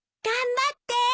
頑張って。